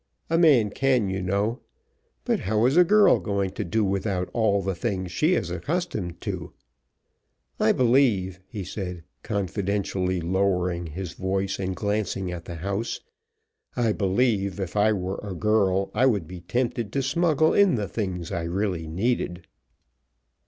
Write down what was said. A man can, you know. But how is a girl going to do without all the things she is accustomed to? I believe," he said, confidentially lowering his voice and glancing at the house, "I believe, if I were a girl, I would be tempted to smuggle in the things I really needed."